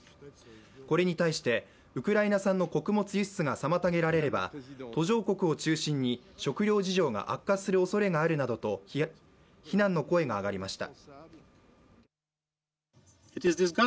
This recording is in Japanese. これに対して、ウクライナ産の穀物輸出が妨げられれば途上国を中心に食糧事情が悪化するおそれがあるなどと非難の声が上がりました。